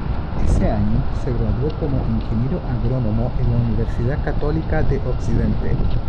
Ese año se graduó como Ingeniero Agrónomo en la Universidad Católica de Occidente.